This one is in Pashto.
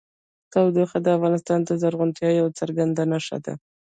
تودوخه د افغانستان د زرغونتیا یوه څرګنده نښه ده.